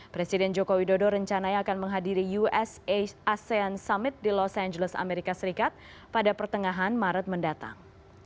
presiden joko widodo rencananya akan menghadiri usa asean summit di los angeles amerika serikat pada pertengahan maret mendatang